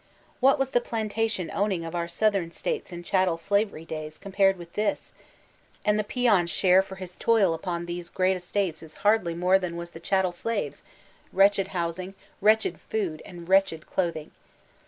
What was the plantation owning of our southern states in chattel sbvery days, compared mth this? And the peon's share for his toil upon these great estates is hardly more than was the chattel slave's — ^wretched hoa» ing, wretched food, and wretched clothing.